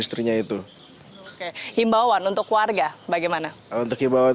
oke himbawan untuk warga bagaimana